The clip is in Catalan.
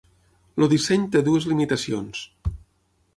El disseny té dues limitacions.